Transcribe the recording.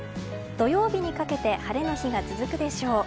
土曜日にかけて晴れの日が続くでしょう。